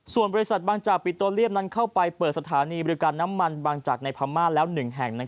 ส่วนบริษัทบางจากปิโตเลียมนั้นเข้าไปเปิดสถานีบริการน้ำมันบางจากในพม่าแล้ว๑แห่ง